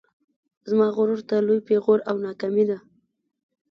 زما غرور ته لوی پیغور او ناکامي ده